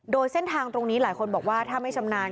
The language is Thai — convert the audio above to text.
โดยเส้นทางตรงนี้หลายคนบอกว่าถ้าไม่ชำนาญ